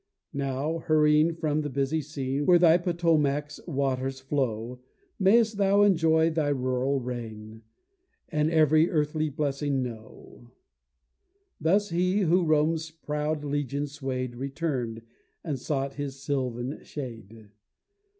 Now hurrying from the busy scene, Where thy Potowmack's waters flow, May'st thou enjoy thy rural reign, And every earthly blessing know; Thus he, who Rome's proud legions sway'd, Return'd, and sought his sylvan shade.